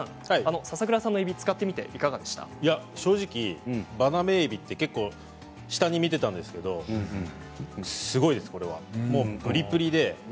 佐々倉さんのえびを使ってみて正直バナメイエビって下に見ていたんですけれどすごいです、これはプリプリで。